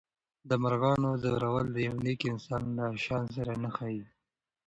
د مرغانو ځورول د یو نېک انسان له شان سره نه ښایي.